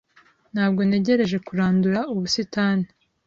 Ntabwo ntegereje kurandura ubusitani.